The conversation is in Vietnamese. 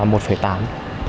em cũng thấy khá dư